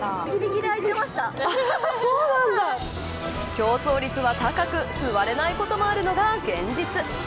競争率は高く座れないこともあるのが現実。